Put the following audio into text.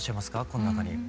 この中に。